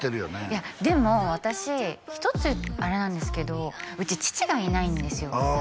いやでも私１つあれなんですけどうち父がいないんですよああ